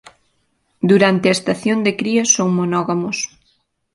Durante a estación de cría son monógamos.